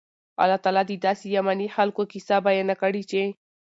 الله تعالی د داسي يَمَني خلکو قيصه بیانه کړي چې